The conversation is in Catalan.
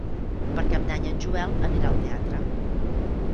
Per Cap d'Any en Joel anirà al teatre.